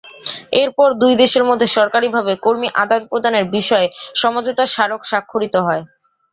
এরপর দুই দেশের মধ্যে সরকারিভাবে কর্মী আদান-প্রদানের বিষয়ে সমঝোতা স্মারক স্বাক্ষরিত হয়।